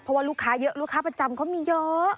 เพราะว่าลูกค้าเยอะลูกค้าประจำเขามีเยอะ